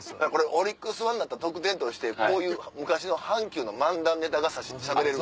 オリックスファンだったら特典としてこういう昔の阪急の漫談ネタがしゃべれる。